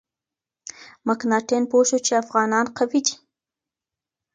مکناتن پوه شو چې افغانان قوي دي.